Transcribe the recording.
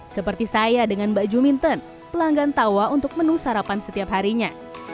seperti saya dengan mbak jominton pelanggan tawa untuk menu sarapan setiap harinya